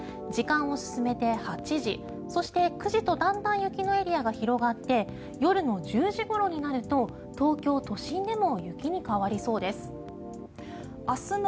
時間を進めて８時、そして９時とだんだん雪のエリアが広がって夜の１０時ごろになると東京都心でも雪に変わりそうです。